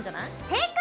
正解！